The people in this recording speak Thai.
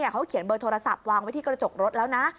เขาเขียนเบอร์โทรศัพท์วางไว้ที่กระจกรถแล้วนะ